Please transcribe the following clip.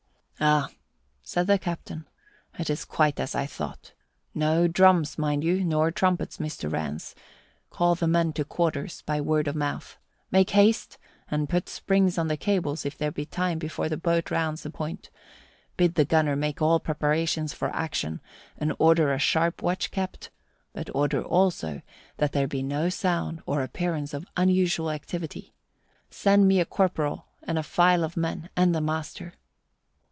"Ah," said the captain, "it is quite as I thought. No drums, mind you, nor trumpets, Mr. Rance. Call the men to quarters by word of mouth. Make haste and put springs on the cables if there be time before the boat rounds the point. Bid the gunner make all preparations for action and order a sharp watch kept; but order also that there be no sound or appearance of unusual activity. Send me a corporal and a file of men, and the master."